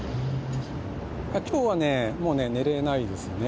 今日はもう寝れないですね。